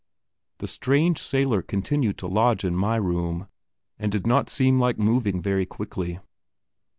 The strange sailor continued to lodge in my room, and did not seem like moving very quickly.